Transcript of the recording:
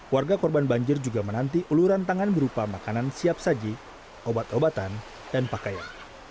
warga korban banjir juga menanti uluran tangan berupa makanan siap saji obat obatan dan pakaian